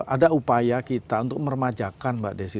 ada upaya kita untuk meremajakan mbak desi